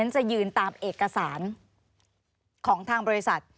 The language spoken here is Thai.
จะยืนตามเอกสารของทางบริษัท